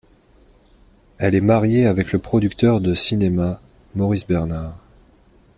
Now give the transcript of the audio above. Elle est mariée avec le producteur de cinéma Maurice Bernart.